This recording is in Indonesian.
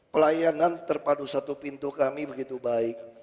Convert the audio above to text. pelayanan terpadu satu pintu kami begitu baik